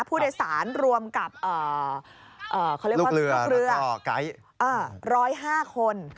ผู้โดยสารรวมกับลูกเรือ๑๐๕คน